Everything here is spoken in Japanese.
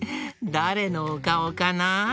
だれのおかおかな？